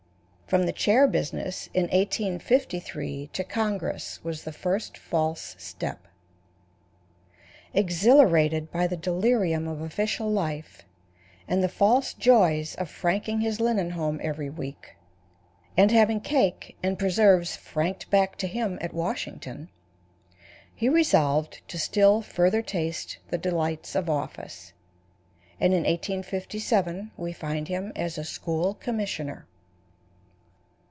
From the chair business in 1853 to congress was the first false step. Exhilarated by the delirium of official life, and the false joys of franking his linen home every week, and having cake and preserves franked back to him at Washington, he resolved to still further taste the delights of office, and in 1857 we find him as a school commissioner.